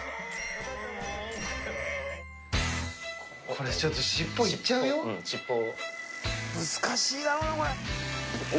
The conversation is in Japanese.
これちょっと尻尾いっちゃう尻尾。